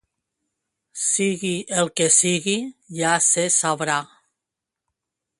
Sigui el que sigui ja se sabrà.